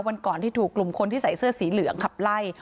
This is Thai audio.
วันก่อนที่ถูกกลุ่มคนที่ใส่เสื้อสีเหลืองขับไล่